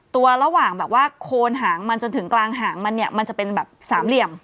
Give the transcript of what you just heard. ระหว่างแบบว่าโคนหางมันจนถึงกลางหางมันเนี่ยมันจะเป็นแบบสามเหลี่ยม